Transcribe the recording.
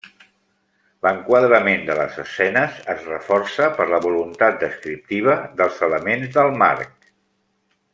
L'enquadrament de les escenes es reforça per la voluntat descriptiva dels elements del marc.